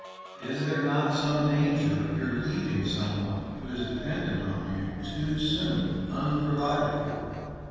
Is there not some danger of your leaving someone who is dependent on you too soon unprovided for?